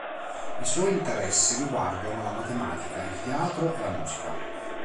I suoi interessi riguardano la matematica, il teatro e la musica.